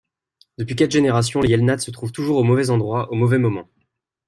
Depuis quatre générations, les Yelnats se trouvent toujours au mauvais endroit au mauvais moment.